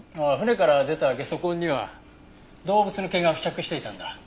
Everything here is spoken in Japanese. ああ船から出たゲソ痕には動物の毛が付着していたんだ。